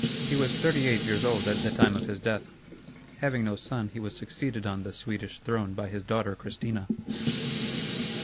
He was thirty eight years old at the time of his death. Having no son, he was succeeded on the Swedish throne by his daughter Christina.